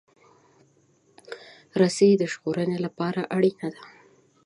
رسۍ د ژغورنې لپاره اړینه ده.